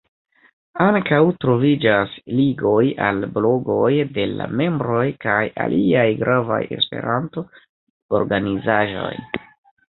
Ankaŭ troviĝas ligoj al blogoj de la membroj kaj aliaj gravaj esperanto-organizaĵoj.